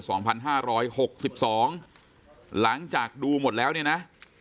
สองพันห้าร้อยหกสิบสองหลังจากดูหมดแล้วเนี่ยนะ